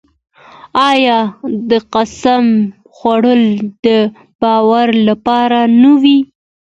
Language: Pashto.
آیا د قسم خوړل د باور لپاره نه وي؟